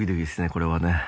これはね。